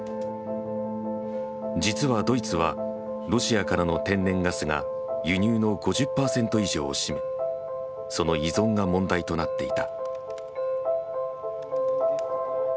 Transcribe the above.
実はドイツはロシアからの天然ガスが輸入の５０％以上を占めその依存が問題となっていた。